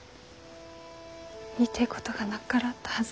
言いてえことがなっからあったはず